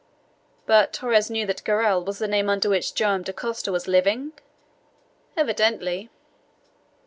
"But Torres knew that Garral was the name under which Joam Dacosta was living?" "Evidently."